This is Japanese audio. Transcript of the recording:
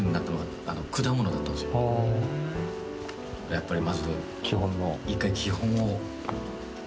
やっぱりまず１回。